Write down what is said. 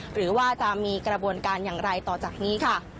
หรือว่าจะมีกระบวนการอย่างไรต่อจากนี้ค่ะ